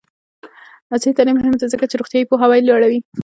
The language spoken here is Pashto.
عصري تعلیم مهم دی ځکه چې روغتیایي پوهاوی لوړوي.